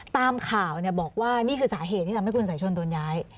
ตามข่าวบอกว่านี่คือสาเหตุที่ทำให้คุณสายชนโดนย้าย